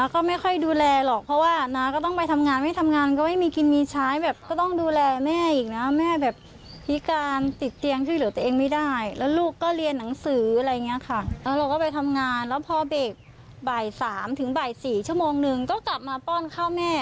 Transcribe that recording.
ก็คือเราก็ไม่ค่อยมีเวลาที่ดูแลเขา